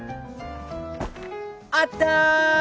あったー！